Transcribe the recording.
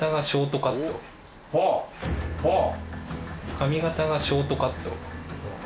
髪形がショートカット。